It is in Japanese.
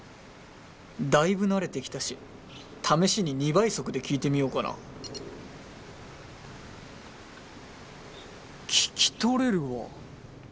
だいぶ慣れてきたし試しに２倍速で聞いてみようかな聞き取れるわ。